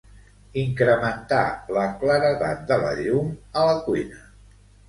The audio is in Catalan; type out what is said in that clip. Incrementar la claredat de la llum a la cuina.